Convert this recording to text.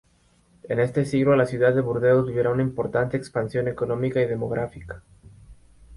En este siglo la ciudad de Burdeos vivirá una importante expansión económica y demográfica.